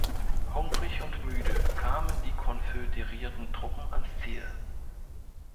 Hungrig und müde kamen die konföderierten Truppen ans Ziel.